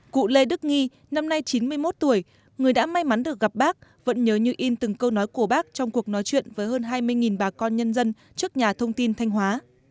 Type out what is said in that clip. cụ lê đức nghi năm nay chín mươi một tuổi người đã may mắn được gặp bác vẫn nhớ như in từng câu nói của bác trong cuộc nói chuyện với hơn hai mươi bà con nhân dân trước nhà thông tin thanh hóa